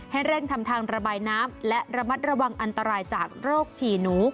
ให้เร่งทำทางระบายน้ำและระมัดระวังอันตรายจากโรคฉี่หนู